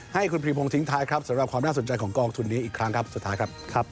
ให้คุณพีพงทิ้งท้ายครับสำหรับความน่าสนใจของกองทุนนี้อีกครั้งครับสุดท้ายครับ